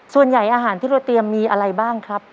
อาหารที่เราเตรียมมีอะไรบ้างครับ